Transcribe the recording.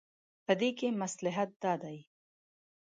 په دې کې مصلحت دا دی.